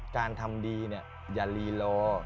การทำดีเนี่ยอย่ารีรอ